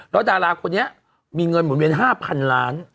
แล้วดาราคนนี้มีเงินหมุนเวียน๕๐๐๐ล้าน